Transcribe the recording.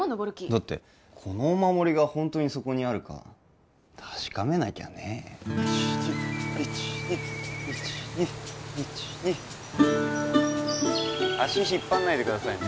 だってこのお守りがホントにそこにあるか確かめなきゃね・イチニイチニ足引っ張んないでくださいね